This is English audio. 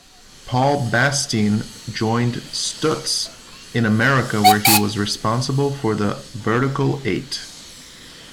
Paul Bastien joined Stutz in America where he was responsible for the Vertical Eight.